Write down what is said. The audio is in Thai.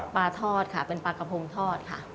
ปลาทอดค่ะเป็นปลากระพงทอดค่ะ